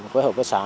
quyết hợp với xã